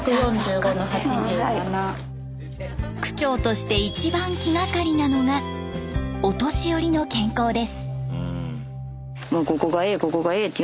区長として一番気がかりなのがお年寄りの健康です。